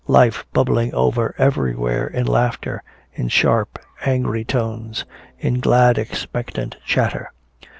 Life bubbling over everywhere, in laughter, in sharp angry tones, in glad expectant chatter.